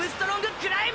クライム